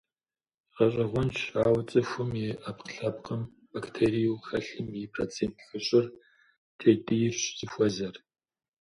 Гъэщӏэгъуэнщ, ауэ цӏыхум и ӏэпкълъэпкъым бактериеу хэлъым и процент хыщӏыр кӏэтӏийрщ зыхуэзэр.